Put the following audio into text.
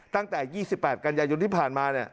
ตั้งแต่๒๘กันยายนที่ผ่านมา